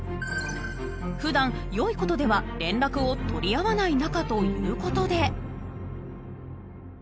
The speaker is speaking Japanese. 普段良い事では連絡を取り合わない仲という事で。